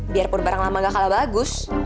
biarpun barang lama gak kalah bagus